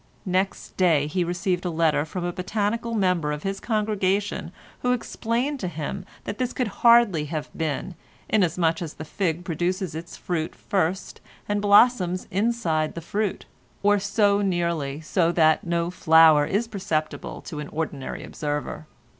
Next day he received a letter from a botanical member of his congregation who explained to him that this could hardly have been, inasmuch as the fig produces its fruit first and blossoms inside the fruit, or so nearly so that no flower is perceptible to an ordinary observer.